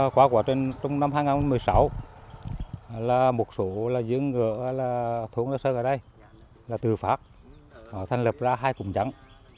qua quá trình trong năm hai nghìn một mươi sáu một số dân ngựa thuộc la sơn ở đây là từ pháp thành lập ra hai cụm trắng